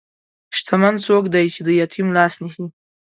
شتمن څوک دی چې د یتیم لاس نیسي.